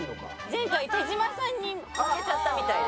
前回手島さんに負けちゃったみたいです。